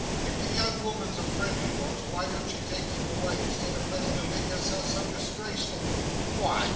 "If the young woman's a friend of yours, why don't she take you away, instead of letting you make yourself so disgraceful!" "What!"